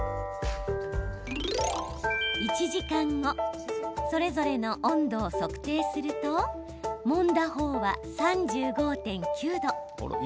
１時間後それぞれの温度を測定するともんだ方は３５．９度。